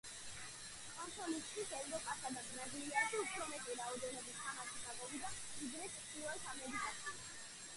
კონსოლისთვის ევროპასა და ბრაზილიაში უფრო მეტი რაოდენობით თამაში გამოვიდა ვიდრე ჩრდილოეთ ამერიკაში.